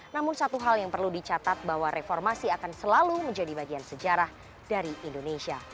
namun satu hal yang perlu dicatat bahwa reformasi akan selalu menjadi bagian sejarah dari indonesia